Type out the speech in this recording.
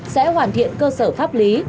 sẽ hoàn thiện cơ sở pháp lý